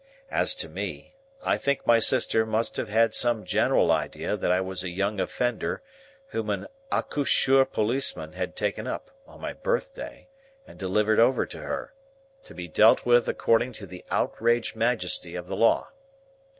As to me, I think my sister must have had some general idea that I was a young offender whom an Accoucheur Policeman had taken up (on my birthday) and delivered over to her, to be dealt with according to the outraged majesty of the law.